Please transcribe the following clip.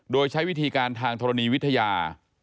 โดยใช้วิธีการทางธรณีวิทยา